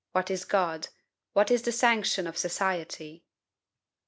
what is God? what is the sanction of society?"